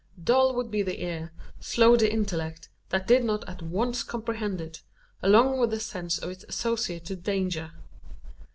Dull would be the ear, slow the intellect, that did not at once comprehend it, along with the sense of its associated danger.